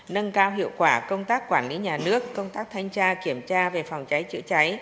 nâng cao hiệu quả công tác quản lý nhà nước công tác thanh tra kiểm tra về phòng cháy chữa cháy